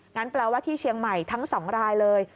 แปลว่าที่เชียงใหม่ทั้ง๒รายเลย